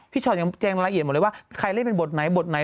ชอตยังแจ้งรายละเอียดหมดเลยว่าใครเล่นเป็นบทไหนบทไหน